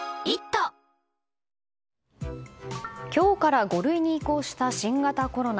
今日から５類に移行した新型コロナ。